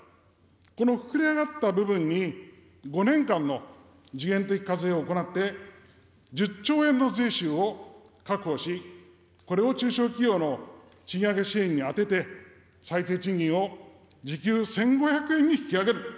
この膨れ上がった部分に、５年間の時限的課税を行って、１０兆円の税収を確保し、これを中小企業の賃上げ支援に充てて、最低賃金を時給１５００円に引き上げる。